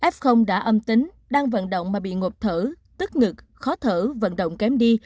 f đã âm tính đang vận động mà bị ngộp thở tức ngực khó thở vận động kém đi